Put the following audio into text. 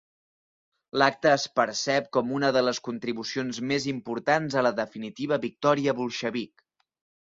L'acte es percep com una de les contribucions més importants a la definitiva victòria bolxevic.